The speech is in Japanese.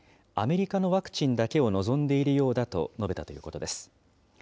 アメリカのワクチンだけを望んでいるようだと述べたということです。